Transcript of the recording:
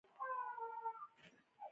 هیلۍ د هر عمر خلکو ته خوښه ده